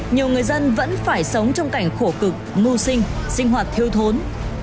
nhiều người dân vẫn phải sống trong cảnh khổ cực ngu sinh sinh hoạt thiêu thốn